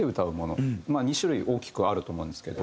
まあ２種類大きくはあると思うんですけど。